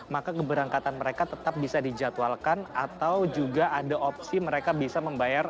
maka keberangkatan mereka tetap bisa dijadwalkan atau juga ada opsi mereka bisa membayar